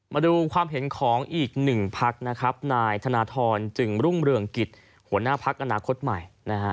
มาดูความเห็นของอีกหนึ่งพักนะครับนายธนทรจึงรุ่งเรืองกิจหัวหน้าพักอนาคตใหม่นะฮะ